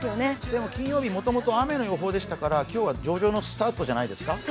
でも、金曜日、もともと雨の予報でしたから、今日は上々のスタートじゃないですか。